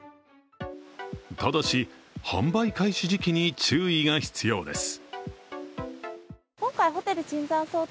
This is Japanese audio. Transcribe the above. ただし、販売開始時期に注意が必要です。